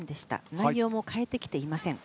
内容も変えてきていません。